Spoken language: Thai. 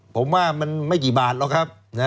ผมว่ามันไม่กี่บาทหรอกครับ